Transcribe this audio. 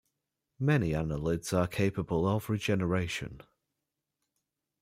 Many annelids are capable of regeneration.